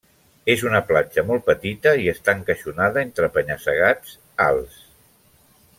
És una platja molt petita i està encaixonada entre penya-segats alts.